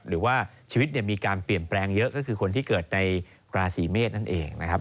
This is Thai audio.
หรือว่าชีวิตมีการเปลี่ยนแปลงเยอะก็คือคนที่เกิดในราศีเมษนั่นเองนะครับ